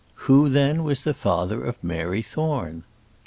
Who then was the father of Mary Thorne?